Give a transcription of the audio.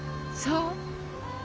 そう。